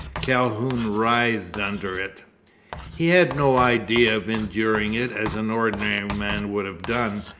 Calhoun writhed under it. He had no idea of enduring it, as an ordinary man would have done.